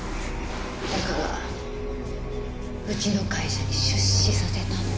だからうちの会社に出資させたの。